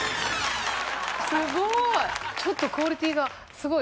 すごい！